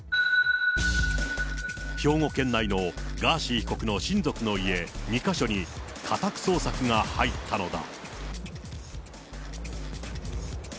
兵庫県内のガーシー被告の親族の家２か所に、家宅捜索が入ったのだ。